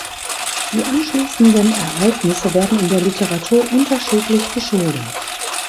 Die anschließenden Ereignisse werden in der Literatur unterschiedlich geschildert.